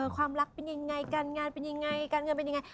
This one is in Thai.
ความรักเป็นยังไงการงานเป็นยังไงการเงินเป็นยังไง